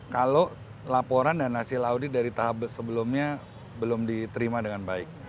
kalau laporan dan hasil audit dari tahap sebelumnya belum diterima dengan baik